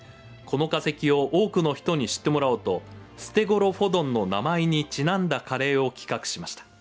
この化石を多くの人に知ってもらおうと「ステゴロフォドン」の名前にちなんだカレーを企画しました。